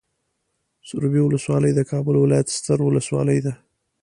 سروبي ولسوالۍ د کابل ولايت ستر ولسوالي ده.